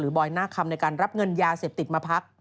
บอยหน้าคำในการรับเงินยาเสพติดมาพัก